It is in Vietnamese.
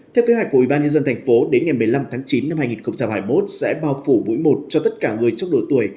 theo kế hoạch của ủy ban nhân dân thành phố đến ngày một mươi năm tháng chín năm hai nghìn hai mươi một sẽ bao phủ mũi một cho tất cả người trong độ tuổi